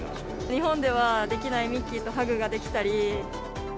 日本ではできない、ミッキーとハグができたり。